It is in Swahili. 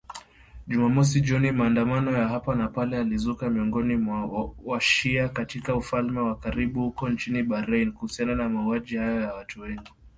Jumamosi jioni maandamano ya hapa na pale yalizuka miongoni mwa wa-shia katika ufalme wa karibu huko nchini Bahrain, kuhusiana na mauaji hayo ya watu wengi